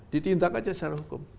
ditindak aja secara hukum